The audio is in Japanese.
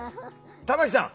玉木さん